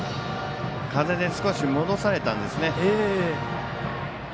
風で少し戻されたんですね。